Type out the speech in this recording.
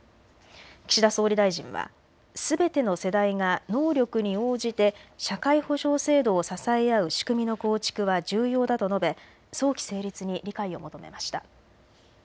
岸田総理大臣はすべての世代が能力に応じて社会保障制度を支え合う仕組みの構築は重要だと述べ早期成立に理解を求めました。